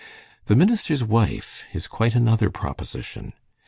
"The minister's wife is quite another proposition.